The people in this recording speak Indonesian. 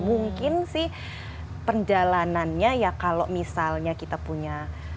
mungkin sih perjalanannya ya kalau misalnya kita punya